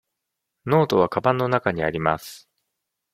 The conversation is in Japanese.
ノートはかばんの中にあります。